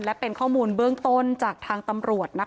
และเป็นข้อมูลเบื้องต้นจากทางตำรวจ